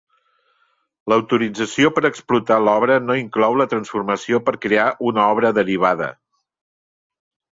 L'autorització per explotar l'obra no inclou la transformació per crear una obra derivada.